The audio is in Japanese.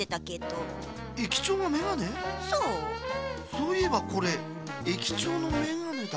そういえばこれえきちょうのメガネだ。